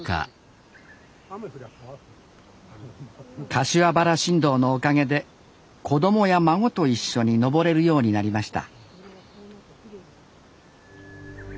柏原新道のおかげで子供や孫と一緒に登れるようになりました